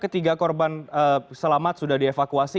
ketiga korban selamat sudah dievakuasi